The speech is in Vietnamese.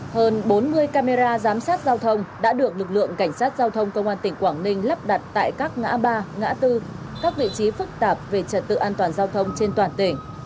hơn bốn mươi camera giám sát giao thông đã được lực lượng cảnh sát giao thông công an tỉnh quảng ninh lắp đặt tại các ngã ba ngã tư các vị trí phức tạp về trật tự an toàn giao thông trên toàn tỉnh